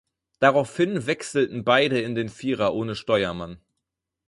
Daraufhin wechselten beide in den Vierer ohne Steuermann.